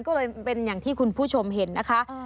ก็เลยเป็นอย่างที่คุณผู้ชมเห็นนะคะ